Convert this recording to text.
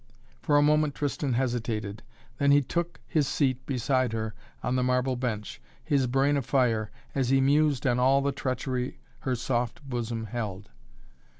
For a moment Tristan hesitated, then he took his seat beside her on the marble bench, his brain afire, as he mused on all the treachery her soft bosom held.